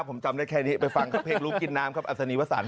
ผมจำได้แค่นี้ไปฟังเพลงรูปกินน้ำครับอัศนีวสรรค์